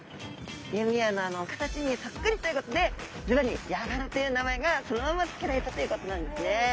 弓矢のあの形にそっくりということでずばりヤガラという名前がそのまま付けられたということなんですね。